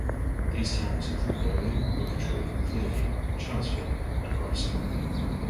These towns included Boley, Bookertee, Clearview, Chilesville, and Rusk.